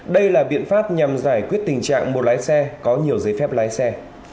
đây là biện pháp nhằm giải quyết tình trạng một lái xe có nhiều giấy phép lái xe